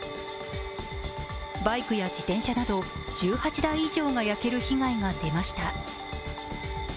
バイクや自転車など１８台以上が焼ける被害が出ました。